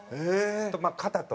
肩と。